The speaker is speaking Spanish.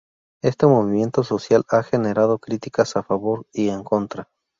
Este movimiento social ha generado críticas favor y en contra.